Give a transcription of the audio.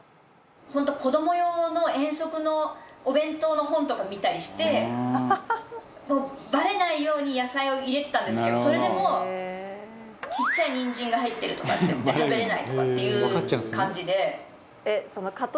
本当子ども用の遠足のお弁当の本とか見たりしてバレないように野菜を入れてたんですけどそれでも「ちっちゃいニンジンが入ってる」とか言って「食べれない」とかっていう感じで。